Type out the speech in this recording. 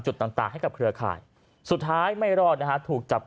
ต่างต่างให้กับเครือข่ายสุดท้ายไม่รอดนะฮะถูกจับ